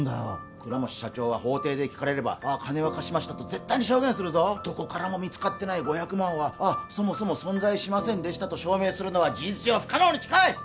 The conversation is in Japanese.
倉持社長は法廷で聞かれれば金は貸しましたと絶対に証言するどこからも見つかってない５００万はそもそも存在しませんでしたと証明するのは事実上不可能に近い！